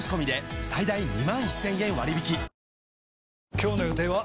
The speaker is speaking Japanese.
今日の予定は？